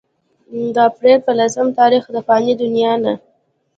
د اپريل پۀ لسم تاريخ د فاني دنيا نه